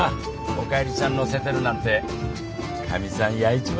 おかえりちゃん乗せてるなんてかみさんやいちまうぞ。